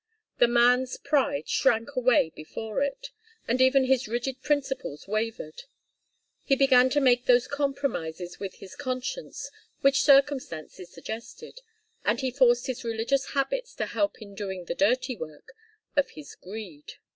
The man's pride shrank away before it, and even his rigid principles wavered. He began to make those compromises with his conscience which circumstances suggested, and he forced his religious habits to help in doing the dirty work of his greed.